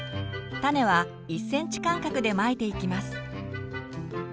種は１ｃｍ間隔でまいていきます。